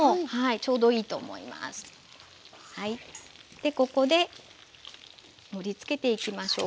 でここで盛りつけていきましょう。